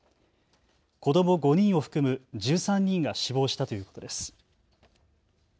子ども５人を含む１３人が死亡したということです。